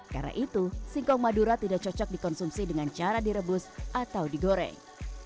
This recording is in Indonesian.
karena itu singkong madura tidak cocok dikonsumsi dengan cara direbus atau digoreng